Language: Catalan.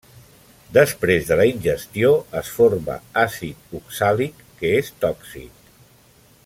Després de la ingestió es forma àcid oxàlic que és tòxic.